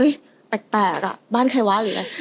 แปลกอ่ะบ้านใครวะหรืออะไร